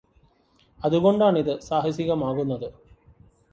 അതുകൊണ്ടാണിത് സാഹസികമാകുന്നത്